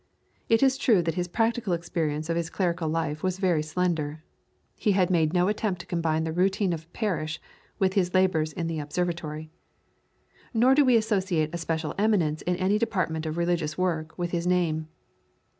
It is true that his practical experience of his clerical life was very slender. He had made no attempt to combine the routine of a parish with his labours in the observatory. Nor do we associate a special eminence in any department of religious work with his name.